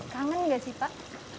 kangen gak sih pak